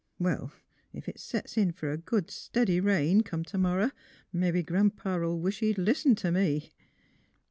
Well; ef it sets in fer a good stidy rain, come t ' morrow, mebbe Gran 'pa '11 wish he'd listened t' me."